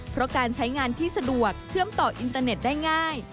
เพราะการใช้งานที่สะดวกเชื่อมต่ออินเตอร์เน็ตได้ง่าย